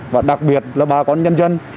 và đặc biệt là ba con nhân dân